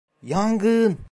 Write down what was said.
Yangın!